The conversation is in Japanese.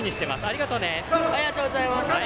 ありがとうございます。